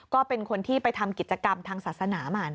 ก็เป็นคนที่ไปทำกิจกรรมทางศาสนามา